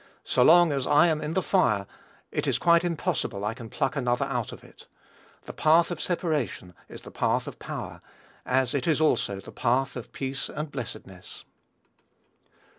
So long as I am in the fire, it is quite impossible I can pluck another out of it. The path of separation is the path of power, as it is also the path of peace and blessedness.